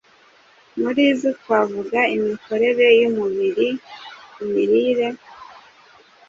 Muri zo twavuga imikorere y’umubiri, imirire,